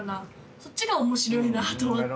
そっちが面白いなと思って。